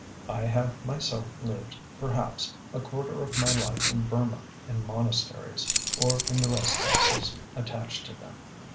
I have myself lived, perhaps, a quarter of my life in Burma in monasteries, or in the rest houses attached to them.